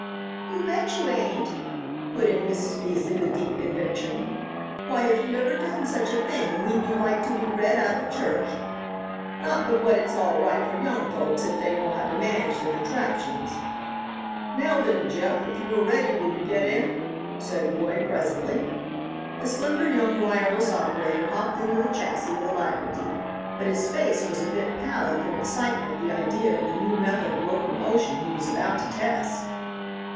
"You bet you ain't," put in Mrs. Beasley with deep conviction. "Why, if you ever done such a thing we'd be like to be read out of church not but what it's all right for young folks if they know how to manage the contraptions." "Now, then, Jeff, if you are ready will you get in?" said Roy presently. The slender young wireless operator hopped into the chassis with alacrity. But his face was a bit pallid from excitement at the idea of the new method of locomotion he was about to test.